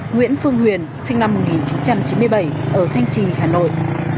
nguyễn phương huyền sinh năm một nghìn chín trăm chín mươi bảy ở thanh trì hà nội